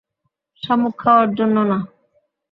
শামুক খাওয়ার জন্য না।